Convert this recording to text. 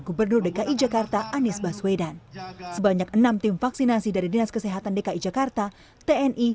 gubernur dki jakarta anies baswedan sebanyak enam tim vaksinasi dari dinas kesehatan dki jakarta tni